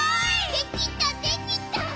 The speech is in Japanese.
「できたできた」